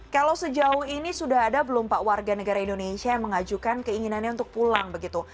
kalau sejauh ini sudah ada belum pak warga negara indonesia yang mengajukan keinginannya untuk pulang begitu